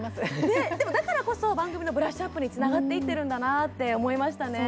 でも、だからこそ番組のブラッシュアップにつながっていってるんだなって思いましたね。